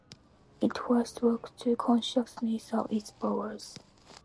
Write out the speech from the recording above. It first woke to consciousness of its powers.